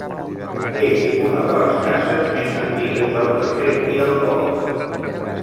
És una de les cases més antigues del carrer i del poble.